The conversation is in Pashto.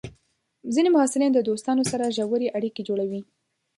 ځینې محصلین د دوستانو سره ژورې اړیکې جوړوي.